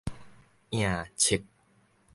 颺粟